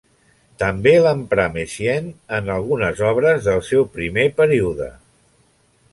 També l'emprà Messiaen en algunes obres del seu primer període.